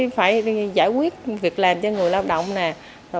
phải giải quyết việc làm cho người lao động này